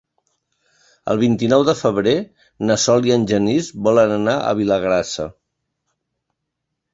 El vint-i-nou de febrer na Sol i en Genís volen anar a Vilagrassa.